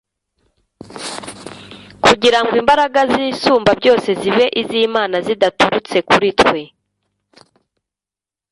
kugira ngo imbaraga z'Isumba byose zibe iz'Imana, zidaturutse kuri twe'.»